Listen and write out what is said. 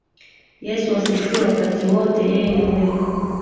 Yesu asifiwe wakati wote yeye ni mwema